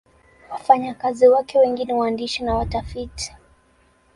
Wafanyakazi wake wengi ni waandishi na watafiti.